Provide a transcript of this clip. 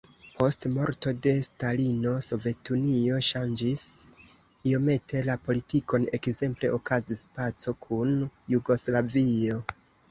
Post morto de Stalino Sovetunio ŝanĝis iomete la politikon, ekzemple okazis paco kun Jugoslavio.